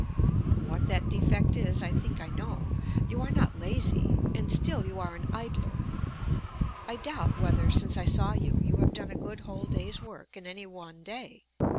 What that defect is I think I know. You are not lazy, and still you are an idler. I doubt whether, since I saw you, you have done a good whole day's work in any one day.